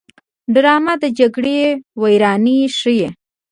ډرامه د جګړې ویرانۍ ښيي